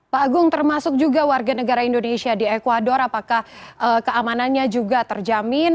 pak agung termasuk juga warga negara indonesia di ecuador apakah keamanannya juga terjamin